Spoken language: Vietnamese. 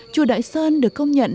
chùa đoại sơn được công nhận